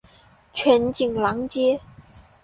全景廊街。